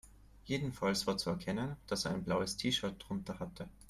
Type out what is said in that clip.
Jedenfalls war zu erkennen, dass er ein blaues T-Shirt drunter hatte.